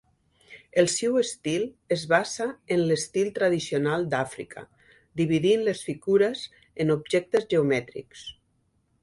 El seu estil es basa en l'estil tradicional d'Àfrica, dividint les figures en objectes geomètrics.